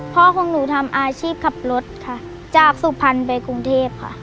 พ่อของหนูทำอาชีพขับรถนะครับจากสุพรรณไปกรุงเทพฯ